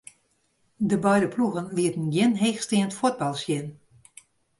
De beide ploegen lieten gjin heechsteand fuotbal sjen.